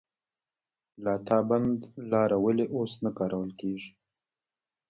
لاتابند لاره ولې اوس نه کارول کیږي؟